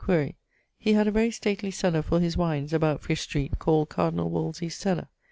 Quaere: he had a very stately cellar for his wines, about Fish street, called Cardinall Wolsey's cellar.